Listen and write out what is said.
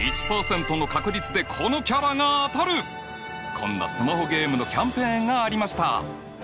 こんなスマホゲームのキャンペーンがありました。